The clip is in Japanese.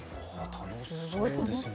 楽しそうですね。